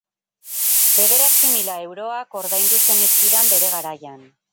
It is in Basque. Bederatzi mila euroak ordaindu zenizkidan bere garaian.